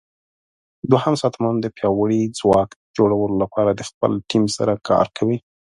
دوهم ساتنمن د پیاوړي ځواک جوړولو لپاره د خپل ټیم سره کار کوي.